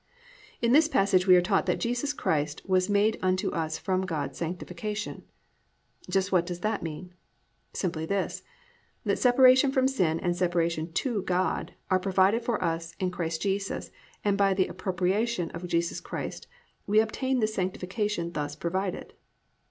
"+ In this passage we are taught that Jesus Christ was made unto us from God sanctification. Just what does that mean? Simply this: that separation from sin and separation to God are provided for us in Christ Jesus and by the appropriation of Jesus Christ we obtain this sanctification thus provided.